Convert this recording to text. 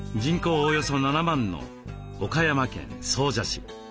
およそ７万の岡山県総社市。